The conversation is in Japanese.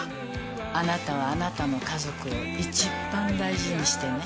あなたはあなたの家族をいちばん大事にしてね。